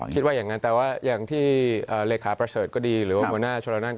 หรือว่าคุณทีมนตราชน